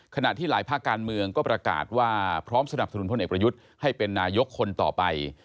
ขณะที่หลายภาคการเมืองก็ประกาศว่าพร้อมสนับสนุนพลเอกประยุทธ์ให้เป็นนายกคนต่อไป